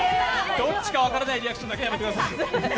どっちか分からないリアクションだけはやめてください。